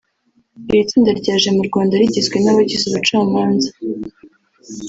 Iri tsinda ryaje mu Rwanda rigizwe n’abagize ubucamanza